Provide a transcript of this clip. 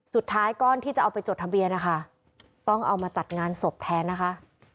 ก้อนที่จะเอาไปจดทะเบียนนะคะต้องเอามาจัดงานศพแทนนะคะ